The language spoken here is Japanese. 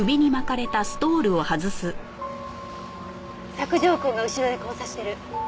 索条痕が後ろで交差してる。